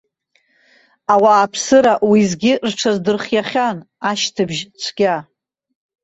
Ауааԥсыра уеизгьы рҽаздырхиахьан ашьҭыбжь цәгьа.